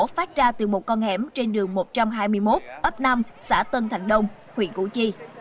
phát ra từ một con hẻm trên đường một trăm hai mươi một ấp năm xã tân thành đông huyện củ chi